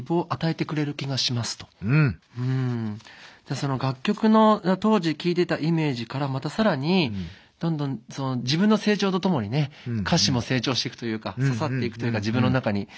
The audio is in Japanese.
その楽曲の当時聴いてたイメージからまた更にどんどん自分の成長と共にね歌詞も成長してくというか刺さっていくというか自分の中に。